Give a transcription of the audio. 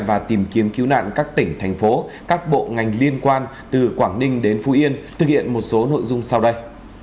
và tìm kiếm cứu nạn các tỉnh thành phố các bộ ngành liên quan từ quảng ninh đến phú yên thực hiện một số nội dung sau đây